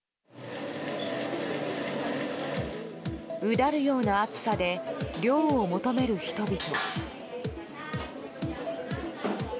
うだるような暑さで涼を求める人々。